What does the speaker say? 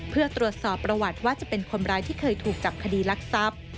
เพื่อตรวจสอบประวัติว่าจะเป็นคนร้ายที่เคยถูกจับคดีลักทรัพย์